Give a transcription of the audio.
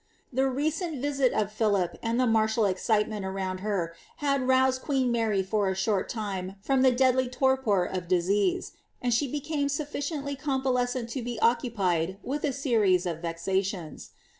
The recent visit of Philip, end the meitiBl ezdtement ironnd her, had loneed qoeeo Mery for a short time from the deadly toqwr of diaeesei and she became snffieiently convalescent to be oeenpied with a serin of vexations.